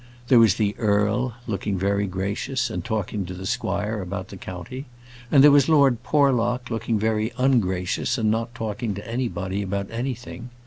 There was the earl, looking very gracious, and talking to the squire about the county. And there was Lord Porlock, looking very ungracious, and not talking to anybody about anything.